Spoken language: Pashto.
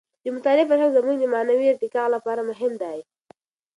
د مطالعې فرهنګ زموږ د معنوي ارتقاع لپاره مهم دی.